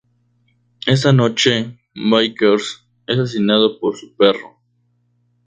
Esa noche Vickers es asesinado por su perro.